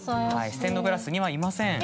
ステンドグラスにはいません。